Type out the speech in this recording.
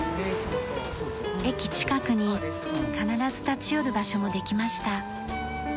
駅近くに必ず立ち寄る場所もできました。